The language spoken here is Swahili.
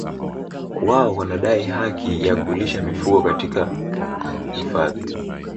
Wao wanadai haki ya kulisha mifugo katika katika hifadhi